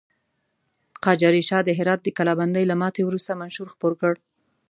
قاجاري شاه د هرات د کلابندۍ له ماتې وروسته منشور خپور کړ.